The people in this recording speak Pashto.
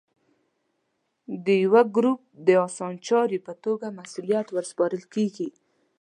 د یوه ګروپ د اسانچاري په توګه مسوولیت ور سپارل کېږي.